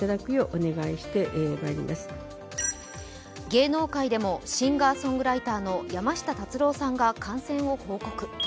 芸能界でもシンガーソングライターの山下達郎さんが感染を報告。